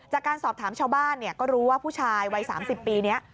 จากการสอบถามชาวบ้านก็รู้ว่าผู้ชายวัย๓๐ปีนี้